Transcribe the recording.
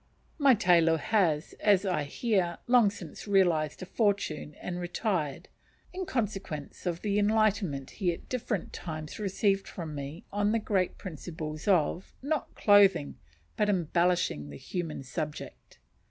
My tailor has, as I hear, long since realized a fortune and retired, in consequence of the enlightenment he at different times received from me on the great principles of, not clothing, but embellishing the human subject.